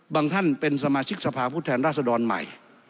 ท่านเป็นสมาชิกสภาพผู้แทนราษดรใหม่